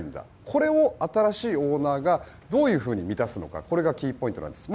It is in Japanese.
これを新しいオーナーがどういうふうに満たすのかこれがキーポイントです。